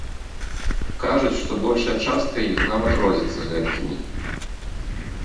Кажуць, што большая частка іх нават родзіцца гэткімі.